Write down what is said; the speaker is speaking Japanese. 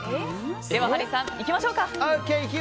ではハリーさん、いきましょうか。